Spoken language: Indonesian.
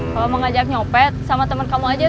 kalau mau ngajak nyopet sama temen kamu aja